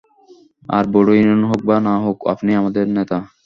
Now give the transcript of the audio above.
আরে বুড়ো, ইউনিয়ন হোক বা না হোক আপনিই আমাদের নেতা।